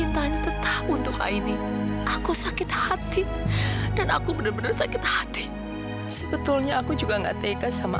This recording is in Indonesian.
dan juga mas iksan